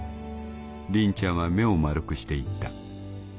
りんちゃんは目を丸くして言った。